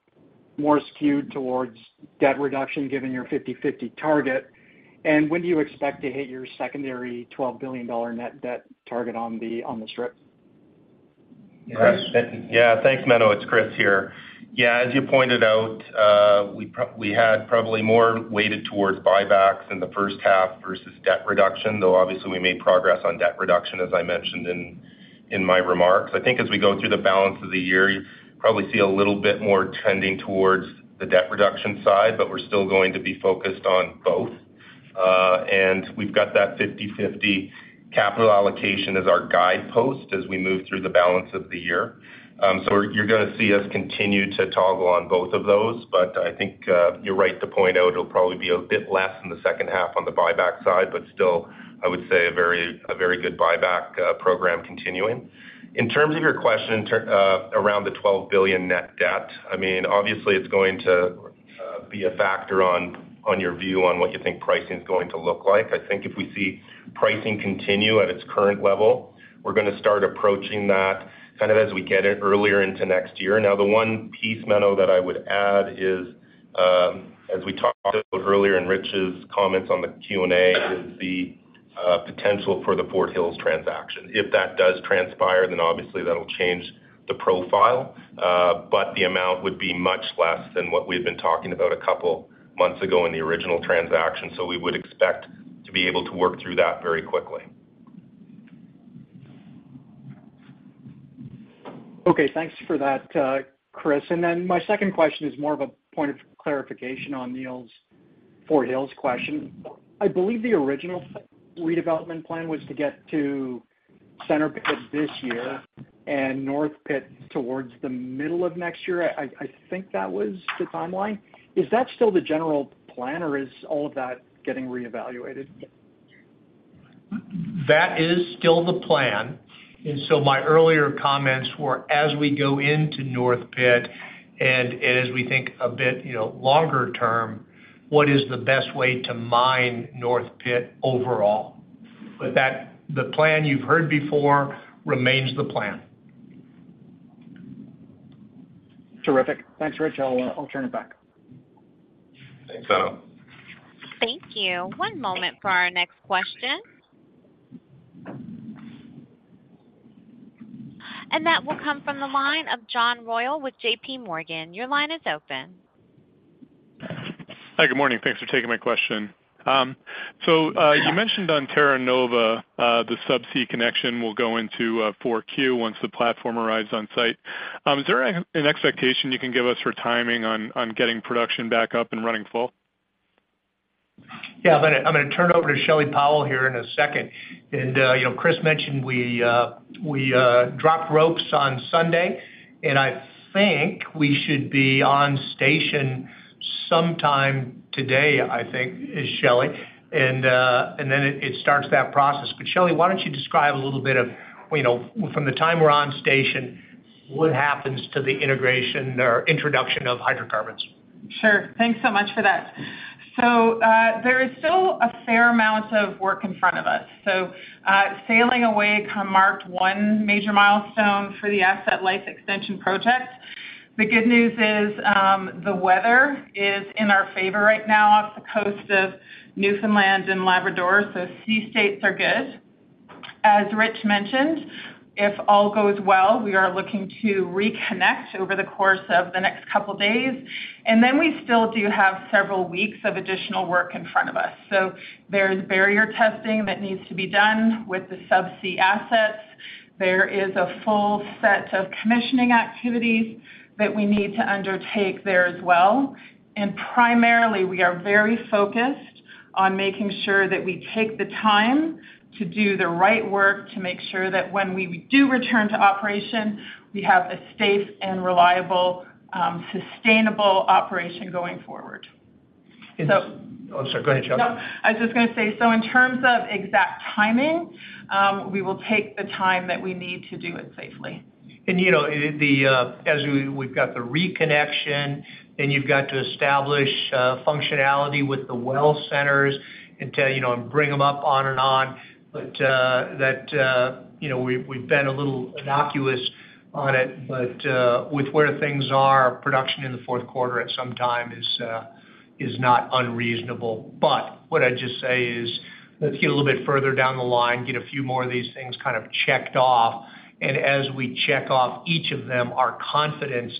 more skewed towards debt reduction, given your 50/50 target? When do you expect to hit your secondary 12 billion dollar net debt target on the strip? Chris? Yeah. Thanks, Menno, it's Kris here. Yeah, as you pointed out, we had probably more weighted towards buybacks in the first half versus debt reduction, though obviously, we made progress on debt reduction, as I mentioned in my remarks. I think as we go through the balance of the year, you probably see a little bit more trending towards the debt reduction side, but we're still going to be focused on both. We've got that 50/50 capital allocation as our guidepost as we move through the balance of the year. You're, you're gonna see us continue to toggle on both of those, but I think, you're right to point out it'll probably be a bit less in the second half on the buyback side, but still, I would say a very, a very good buyback program continuing. In terms of your question, around the 12 billion net debt, I mean, obviously, it's going to be a factor on, on your view on what you think pricing is going to look like. I think if we see pricing continue at its current level, we're gonna start approaching that kind of as we get in earlier into next year. The one piece, Menno, that I would add is, as we talked about earlier in Rich's comments on the Q&A, is the potential for the Fort Hills transaction. If that does transpire, then obviously that'll change the profile, but the amount would be much less than what we've been talking about a couple months ago in the original transaction. We would expect to be able to work through that very quickly. Okay, thanks for that, Kris. Then my second question is more of a point of clarification on Neil's Fort Hills question. I believe the original redevelopment plan was to get to Centre Pit this year and North Pit towards the middle of next year. I, I think that was the timeline. Is that still the general plan, or is all of that getting reevaluated? That is still the plan. My earlier comments were, as we go into North Pit and as we think a bit, you know, longer term, what is the best way to mine North Pit overall? The plan you've heard before remains the plan. Terrific. Thanks, Rich. I'll, I'll turn it back. Thanks, Menno. Thank you. One moment for our next question. That will come from the line of John Royall with JPMorgan. Your line is open. Hi, good morning. Thanks for taking my question. You mentioned on Terra Nova, the subsea connection will go into 4Q once the platform arrives on site. Is there an expectation you can give us for timing on getting production back up and running full? Yeah, I'm gonna, I'm gonna turn it over to Shelley Powell here in a second. You know, Chris mentioned we, we dropped ropes on Sunday, and I think we should be on station sometime today, I think, Shelley. Then it, it starts that process. Shelley, why don't you describe a little bit of, you know, from the time we're on station, what happens to the integration or introduction of hydrocarbons? Sure. Thanks so much for that. There is still a fair amount of work in front of us. Sailing away marked one major milestone for the Asset Life Extension project. The good news is, the weather is in our favor right now off the coast of Newfoundland and Labrador, so sea states are good. As Rich mentioned, if all goes well, we are looking to reconnect over the course of the next couple days, and then we still do have several weeks of additional work in front of us. There's barrier testing that needs to be done with the subsea assets. There is a full set of commissioning activities that we need to undertake there as well. Primarily, we are very focused... on making sure that we take the time to do the right work, to make sure that when we do return to operation, we have a safe and reliable, sustainable operation going forward. I'm sorry, go ahead, Shelley. No, I was just gonna say, so in terms of exact timing, we will take the time that we need to do it safely. You know, the, as we've got the reconnection, then you've got to establish functionality with the well centers and to, you know, and bring them up on and on. That, you know, we've, we've been a little innocuous on it. With where things are, production in the fourth quarter at some time is not unreasonable. What I'd just say is, let's get a little bit further down the line, get a few more of these things kind of checked off. As we check off each of them, our confidence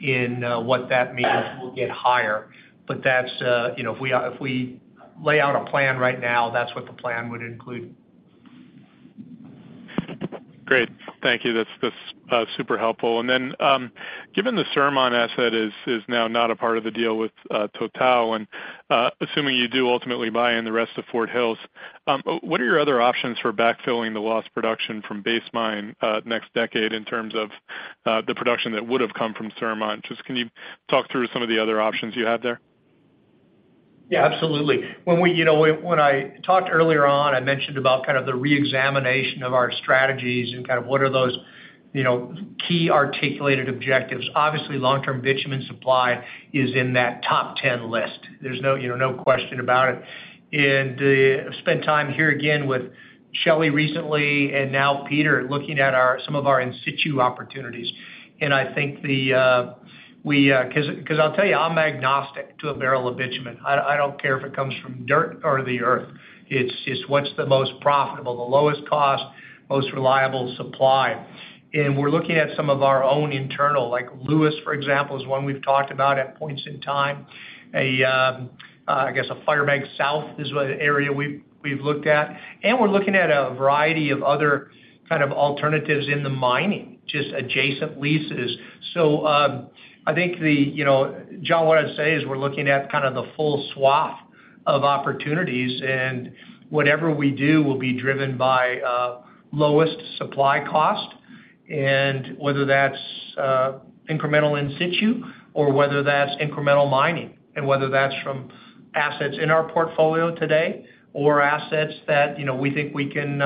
in what that means will get higher. That's, you know, if we lay out a plan right now, that's what the plan would include. Great. Thank you. That's, that's super helpful. Given the Surmont asset is, is now not a part of the deal with TotalEnergies, and, assuming you do ultimately buy in the rest of Fort Hills, what are your other options for backfilling the lost production from Base Mine next decade in terms of the production that would have come from Surmont? Just can you talk through some of the other options you have there? Yeah, absolutely. When we, you know, when, when I talked earlier on, I mentioned about kind of the reexamination of our strategies and kind of what are those, you know, key articulated objectives. Obviously, long-term bitumen supply is in that top 10 list. There's no, you know, no question about it. I've spent time here again with Shelley recently and now Peter, looking at some of our in situ opportunities. I think the we... Because I'll tell you, I'm agnostic to a barrel of bitumen. I don't care if it comes from dirt or the Earth. It's what's the most profitable, the lowest cost, most reliable supply. We're looking at some of our own internal, like Lewis, for example, is one we've talked about at points in time. I guess, a Firebag South is an area we've, we've looked at, and we're looking at a variety of other kind of alternatives in the mining, just adjacent leases. I think the, you know, John, what I'd say is we're looking at kind of the full swath of opportunities, and whatever we do will be driven by, lowest supply cost and whether that's, incremental In situ or whether that's incremental mining, and whether that's from assets in our portfolio today or assets that, you know, we think we can,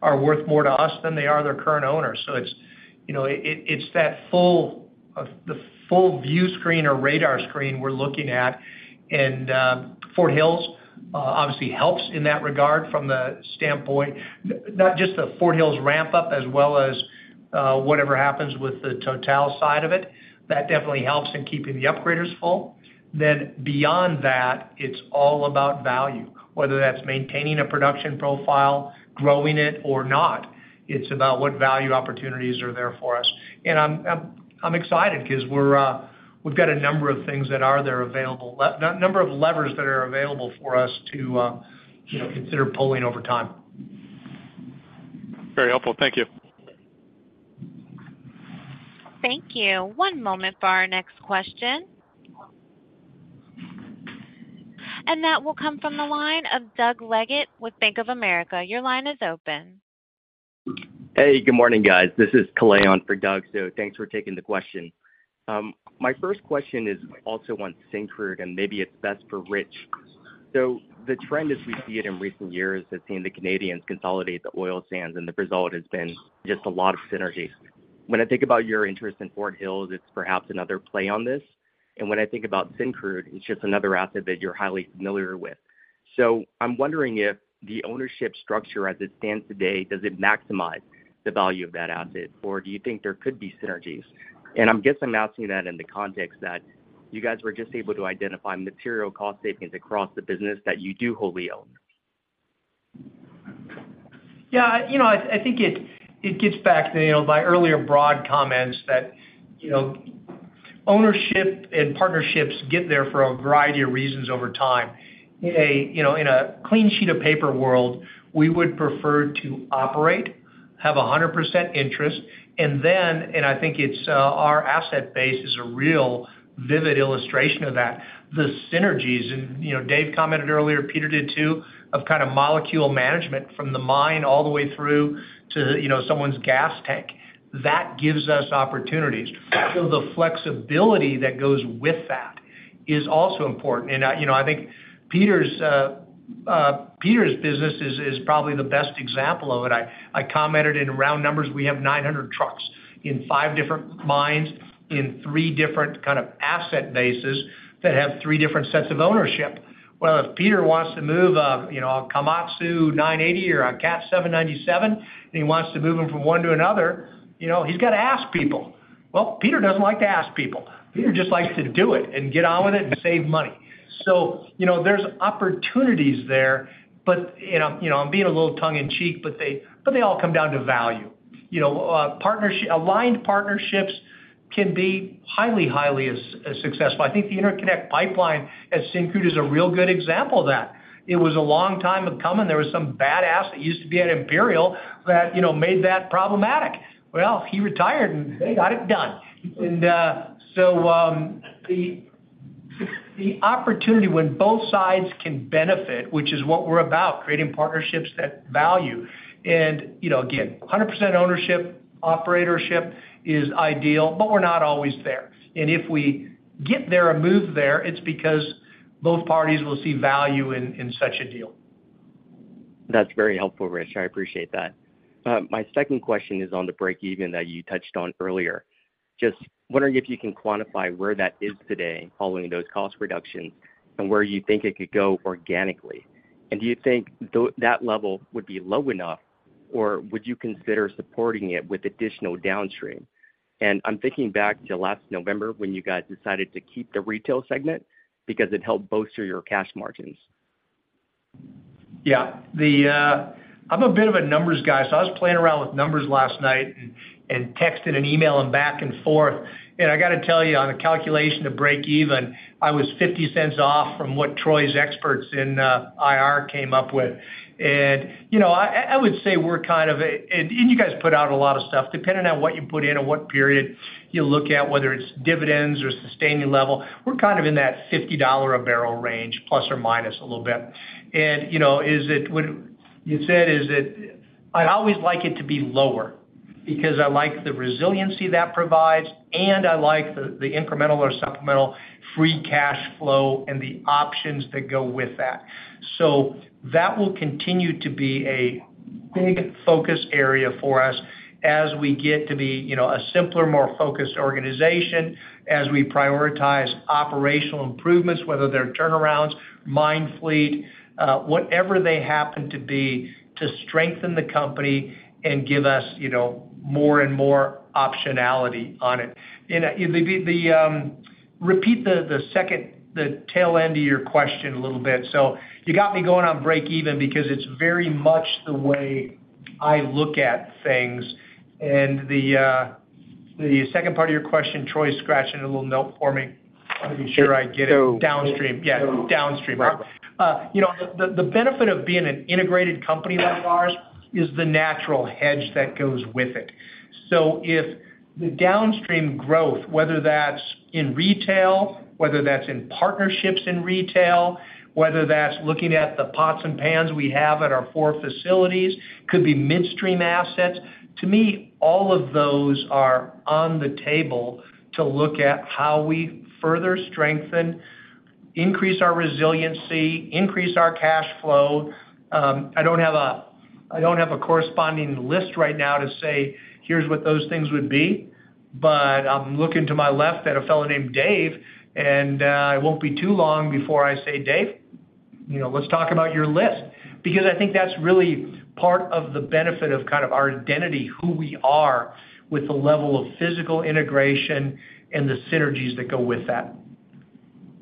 are worth more to us than they are their current owners. It's, you know, it, it, it's that full, the full view screen or radar screen we're looking at. Fort Hills, obviously helps in that regard from the standpoint... Not just the Fort Hills ramp up as well as whatever happens with the Total side of it, that definitely helps in keeping the upgraders full. Beyond that, it's all about value, whether that's maintaining a production profile, growing it or not, it's about what value opportunities are there for us. I'm, I'm, I'm excited because we're, we've got a number of things that are there available. Number of levers that are available for us to, you know, consider pulling over time. Very helpful. Thank you. Thank you. One moment for our next question. That will come from the line of Doug Leggate with Bank of America. Your line is open. Hey, good morning, guys. This is Kalei for Doug. Thanks for taking the question. My first question is also on Syncrude, and maybe it's best for Rich. The trend as we see it in recent years, has seen the Canadians consolidate the oil sands, and the result has been just a lot of synergies. When I think about your interest in Fort Hills, it's perhaps another play on this, and when I think about Syncrude, it's just another asset that you're highly familiar with. I'm wondering if the ownership structure as it stands today, does it maximize the value of that asset, or do you think there could be synergies? And I'm guessing-- I'm asking that in the context that you guys were just able to identify material cost savings across the business that you do wholly own. Yeah, you know, I, I think it, it gets back to, you know, my earlier broad comments that, you know, ownership and partnerships get there for a variety of reasons over time. In a, you know, in a clean sheet of paper world, we would prefer to operate, have a 100% interest, and then, I think it's our asset base is a real vivid illustration of that. The synergies, you know, Dave commented earlier, Peter did, too, of kind of molecule management from the mine all the way through to, you know, someone's gas tank. That gives us opportunities. The flexibility that goes with that is also important. You know, I think Peter's Peter's business is, is probably the best example of it. I, I commented in round numbers, we have 900 trucks in 5 different mines, in 3 different kind of asset bases that have 3 different sets of ownership. Well, if Peter wants to move, you know, a Komatsu 980 or a Cat 797, and he wants to move them from one to another, you know, he's got to ask people. Well, Peter doesn't like to ask people. Peter just likes to do it and get on with it and save money. You know, there's opportunities there, but, and, you know, I'm being a little tongue-in-cheek, but they, but they all come down to value. You know, partnersh-- aligned partnerships can be highly, highly as, as successful. I think the interconnect pipeline at Syncrude is a real good example of that. It was a long time coming. There was some bad ass that used to be at Imperial that, you know, made that problematic. Well, he retired, and they got it done. The opportunity when both sides can benefit, which is what we're about, creating partnerships that value. You know, again, 100% ownership, operatorship is ideal, but we're not always there. If we get there or move there, it's because both parties will see value in, in such a deal. That's very helpful, Rich. I appreciate that. My second question is on the breakeven that you touched on earlier. Just wondering if you can quantify where that is today following those cost reductions and where you think it could go organically. Do you think that level would be low enough, or would you consider supporting it with additional downstream? I'm thinking back to last November when you guys decided to keep the retail segment because it helped bolster your cash margins. Yeah. The, I'm a bit of a numbers guy, so I was playing around with numbers last night and, and texted and emailing back and forth. I got to tell you, on a calculation to breakeven, I was $0.50 off from what Troy's experts in IR came up with. You know, I, I, I would say we're kind of a-- and, and you guys put out a lot of stuff. Depending on what you put in or what period you look at, whether it's dividends or sustaining level, we're kind of in that $50 a barrel range, plus or minus a little bit. You know, is it-- what you said is that I'd always like it to be lower because I like the resiliency that provides, and I like the, the incremental or supplemental free cash flow and the options that go with that. That will continue to be a big focus area for us as we get to be, you know, a simpler, more focused organization, as we prioritize operational improvements, whether they're turnarounds, mine fleet, whatever they happen to be, to strengthen the company and give us, you know, more and more optionality on it. The, the, the, Repeat the, the second, the tail end of your question a little bit. You got me going on breakeven because it's very much the way I look at things. The second part of your question, Troy's scratching a little note for me. I want to be sure I get it downstream. Yeah, downstream. You know, the, the benefit of being an integrated company like ours is the natural hedge that goes with it. If the downstream growth, whether that's in retail, whether that's in partnerships in retail, whether that's looking at the pots and pans we have at our 4 facilities, could be midstream assets, to me, all of those are on the table to look at how we further strengthen, increase our resiliency, increase our cash flow. I don't have a, I don't have a corresponding list right now to say, "Here's what those things would be," but I'm looking to my left at a fellow named Dave, and, it won't be too long before I say, "Dave, you know, let's talk about your list." Because I think that's really part of the benefit of kind of our identity, who we are, with the level of physical integration and the synergies that go with that.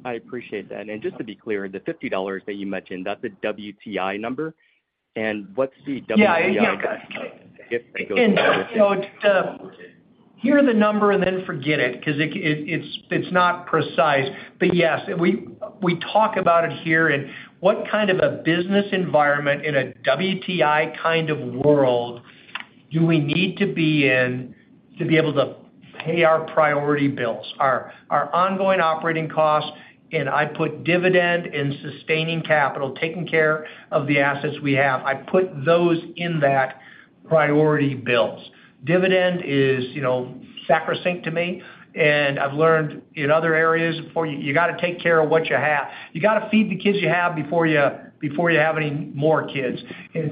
I appreciate that. Just to be clear, the $50 that you mentioned, that's a WTI number? What's the WTI? Yeah. Yeah, and, you know, hear the number and then forget it, because it, it, it's, it's not precise. Yes, we, we talk about it here, and what kind of a business environment in a WTI kind of world do we need to be in to be able to pay our priority bills, our, our ongoing operating costs? I put dividend and sustaining capital, taking care of the assets we have. I put those in that priority bills. Dividend is, you know, sacrosanct to me, and I've learned in other areas before, you, you got to take care of what you have. You got to feed the kids you have before you, before you have any more kids.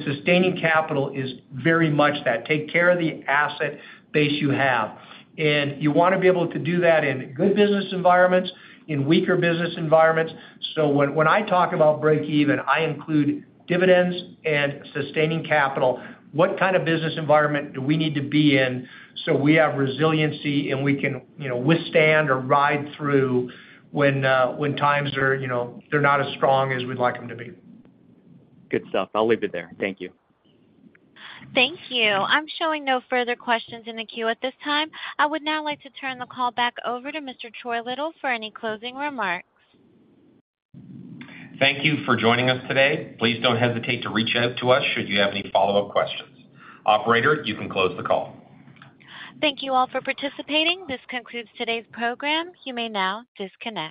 Sustaining capital is very much that, take care of the asset base you have. You want to be able to do that in good business environments, in weaker business environments. When, when I talk about breakeven, I include dividends and sustaining capital. What kind of business environment do we need to be in so we have resiliency, and we can, you know, withstand or ride through when, when times are, you know, they're not as strong as we'd like them to be? Good stuff. I'll leave it there. Thank you. Thank you. I'm showing no further questions in the queue at this time. I would now like to turn the call back over to Mr. Troy Little for any closing remarks. Thank you for joining us today. Please don't hesitate to reach out to us should you have any follow-up questions. Operator, you can close the call. Thank you all for participating. This concludes today's program. You may now disconnect.